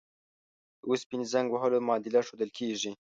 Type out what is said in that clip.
د اوسپنې زنګ وهلو معادله ښودل کیږي.